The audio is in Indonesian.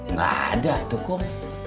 nggak ada tukum